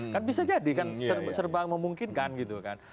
kan bisa jadi kan serba memungkinkan gitu kan